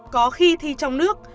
có khi thi trong nước